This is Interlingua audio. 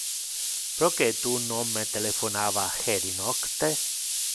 Proque tu non me telephonava heri nocte?